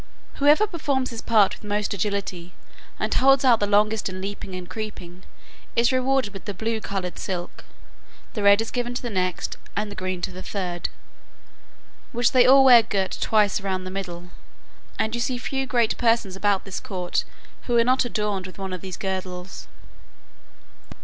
Whoever performs his part with most agility, and holds out the longest in leaping and creeping, is rewarded with the blue coloured silk; the red is given to the next, and the green to the third, which they all wear girt twice round about the middle; and you see few great persons about this court who are not adorned with one of these girdles.